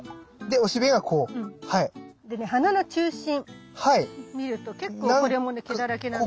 でね花の中心見ると結構これもね毛だらけなんだよ。